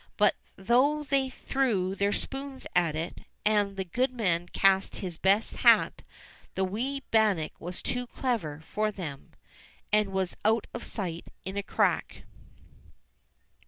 But though they threw their spoons at it, and the goodman cast his best hat, the wee bannock was too clever for them, and was out of sight in a crack.